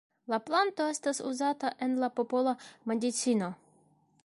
La planto estas uzata en la popola medicino.